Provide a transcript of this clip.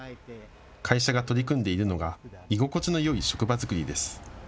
会社が取り組んでいるのが居心地のよい職場作りです。